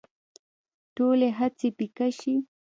ټولې هڅې پيکه شي